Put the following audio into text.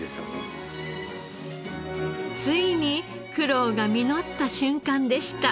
ついに苦労が実った瞬間でした。